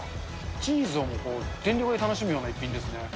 チーズを全力で楽しむような一品ですね。